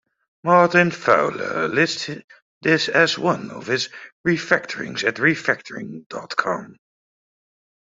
Martin Fowler lists this as one of his refactorings at refactoring dot com.